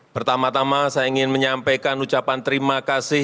pertama tama saya ingin menyampaikan ucapan terima kasih